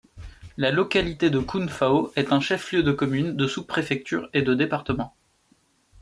La localité de Koun-Fao est un chef-lieu de commune, de sous-préfecture et de département.